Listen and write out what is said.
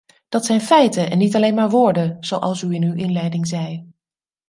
Dat zijn feiten en niet alleen maar woorden, zoals u in uw inleiding zei.